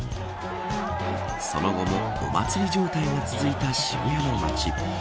その後もお祭り状態が続いた渋谷の街。